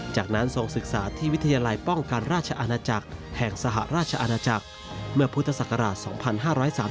จากนั้นทรงศึกษาที่วิทยาลัยป้องกันราชอาณาจักรแห่งสหราชอาณาจักรเมื่อพุทธศักราช๒๕๓๓